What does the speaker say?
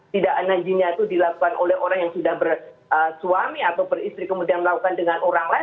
tidak anjingnya itu dilakukan oleh orang yang sudah bersuami atau beristri kemudian melakukan dengan orang lain